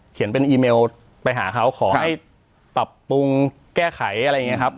เขียนเป็นอีเมลไปหาเขาขอให้ปรับปรุงแก้ไขอะไรอย่างนี้ครับ